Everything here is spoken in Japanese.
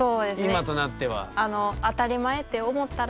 今となっては。